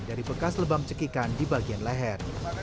dari bekas lebam cekikan di bagian leher